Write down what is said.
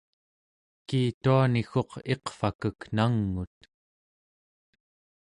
kiituani-gguq iqvakek nang'ut